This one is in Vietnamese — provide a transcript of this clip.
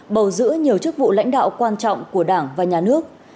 bầu giữ nhiều chức vụ lãnh đạo quan trọng của đảng và nhà nước